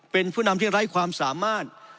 เป็นผู้นำที่ไร้ความสามารถ